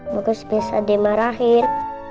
bagus biasa dimarahin